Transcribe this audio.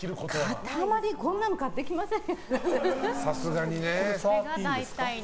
こんなの買ってきません。